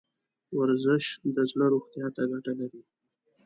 ورزش د زړه روغتیا ته ګټه لري.